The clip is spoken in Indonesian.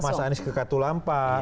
mas anies ke katulampa